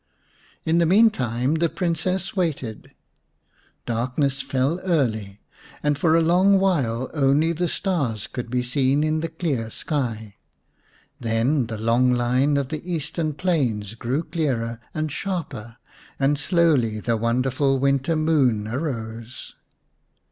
In the meantime the Princess waited. Dark ness fell early, and for a long while only the stars could be seen in the clear sky. Then the long line of the eastern plains grew clearer and sharper, and slowly the wonderful winter moon arose.